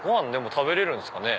食べれるんですかね？